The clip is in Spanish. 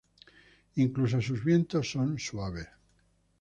Incluso sus vientos son suaves.